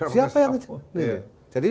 siapa yang ngejar